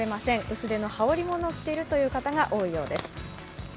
薄手の羽織り物を着ている方が多いようです。